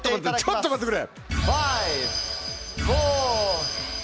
ちょっと待ってくれ。